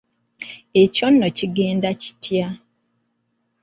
Ekyo nno kigenda kitya?